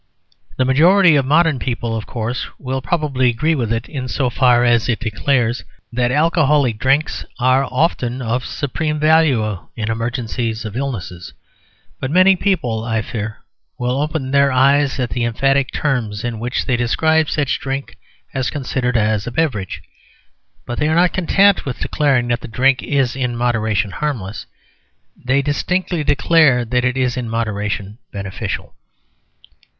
The majority of modern people, of course, will probably agree with it in so far as it declares that alcoholic drinks are often of supreme value in emergencies of illness; but many people, I fear, will open their eyes at the emphatic terms in which they describe such drink as considered as a beverage; but they are not content with declaring that the drink is in moderation harmless: they distinctly declare that it is in moderation beneficial.